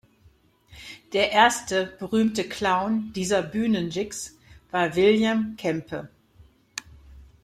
Der erste berühmte Clown dieser Bühnen-"Jiggs" war William Kempe.